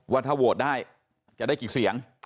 ว่าถ้าโหวตได้จะได้กี่เสียง